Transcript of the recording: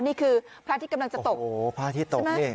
นี่คือพระอาทิตย์กำลังจะตกโอ้โหพระอาทิตย์ตกนี่